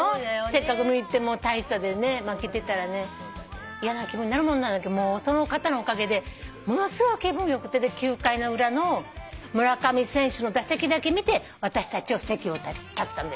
せっかく見に行って大差で負けてたらね嫌な気分になるもんなんだけどその方のおかげでものすごい気分良くて９回の裏の村上選手の打席だけ見て私たちは席を立ったんです。